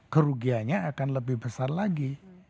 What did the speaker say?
kerugiannya akan lebih besar lagi